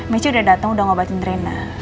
michi udah dateng udah ngobatin rena